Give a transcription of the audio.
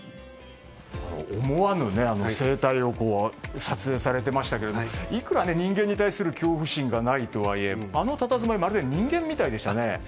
思わぬ生態を撮影されていましたけどいくら人間に対する恐怖心がないとはいえあのたたずまいまるで人間みたいでしたね。